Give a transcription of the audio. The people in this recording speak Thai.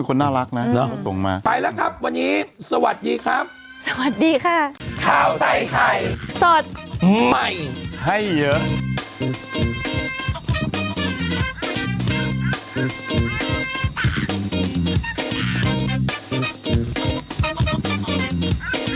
กลับไปสิฟะกลับไป